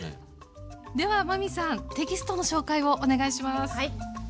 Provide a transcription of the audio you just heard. では真海さんテキストの紹介をお願いします。